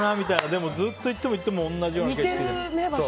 でもずっと行っても行っても同じような景色で。